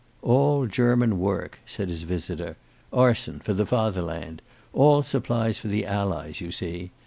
"All German work," said his visitor. "Arson, for the Fatherland. All supplies for the Allies, you see.